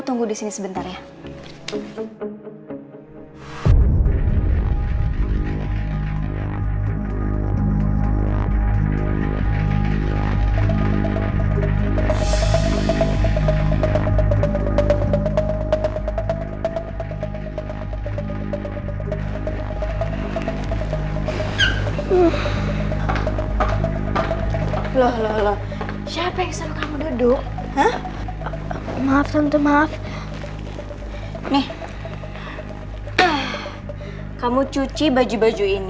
tante bisa liat ga entar aku ambil